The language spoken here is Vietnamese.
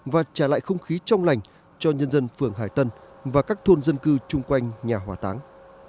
và trả lại không khí trong lành cho nhân dân phường hải tân và các thôn dân cư chung quanh nhà hỏa táng